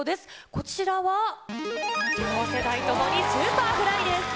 こちらは両世代ともにＳｕｐｅｒｆｌｙです。